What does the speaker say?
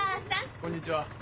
こんにちは。